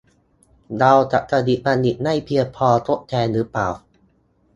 เราจะผลิตบัณฑิตได้เพียงพอทดแทนหรือเปล่า ?